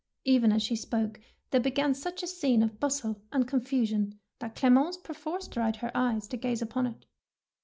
Even as she spoke, there began such a scene of bustle and confusion that Clemence perforce dried her eyes to 150 THE PEAEL NECKLACE gaze upon it.